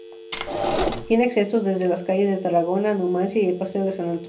Tiene accesos desde las calles de Tarragona, Numancia y el paseo de San Antonio.